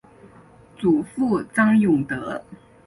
祖父张永德。